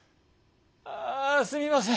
ああすみません